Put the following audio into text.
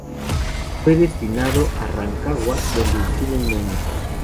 Fue destinado a Rancagua, donde estuvo un año.